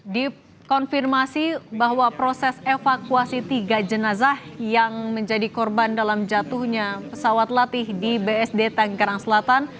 dikonfirmasi bahwa proses evakuasi tiga jenazah yang menjadi korban dalam jatuhnya pesawat latih di bsd tanggerang selatan